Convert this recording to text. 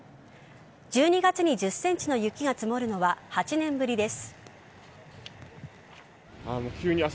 １２月に１０ｃｍの雪が積もるのは８年ぶりです。